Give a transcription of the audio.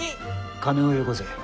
金をよこせ。